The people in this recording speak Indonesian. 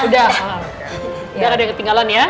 udah gak ada yang ketinggalan ya